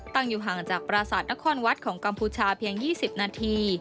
ตั้งอยู่ห่างจากปราสาทนครวัฏของกัมพูชาเพียงยี่สิบนาที